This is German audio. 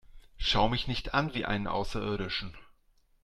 Schau mich nicht an wie einen Außerirdischen!